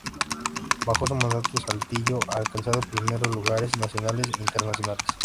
Bajo su mandato Saltillo ha alcanzado primeros lugares nacionales e internacionales.